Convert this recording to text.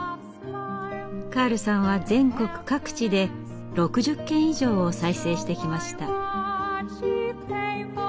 カールさんは全国各地で６０軒以上を再生してきました。